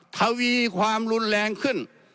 ทวีความรุนแรงขึ้น